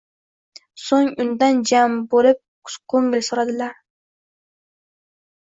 So‘ng undan jam bo‘lib ko‘ngil so‘radilar: